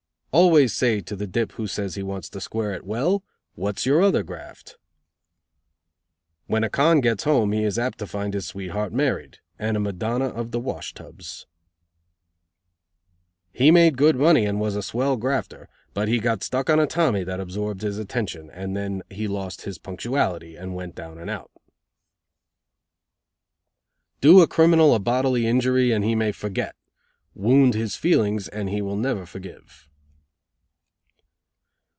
"Always say to the dip who says he wants to square it; Well, what's your other graft?" "When a con gets home he is apt to find his sweetheart married, and a 'Madonna of the wash tubs.'" "He made good money and was a swell grafter, but he got stuck on a Tommy that absorbed his attention, and then he lost his punctuality and went down and out." "Do a criminal a bodily injury and he may forget. Wound his feelings and he will never forgive."